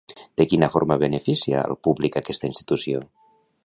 De quina forma beneficia al públic aquesta institució?